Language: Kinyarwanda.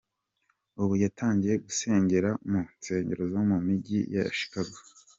Ubu yatangiye gusengera mu nsengero zo mu mijyi ya Chicago.